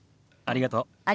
ありがとう。